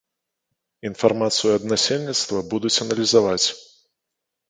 Інфармацыю ад насельніцтва будуць аналізаваць.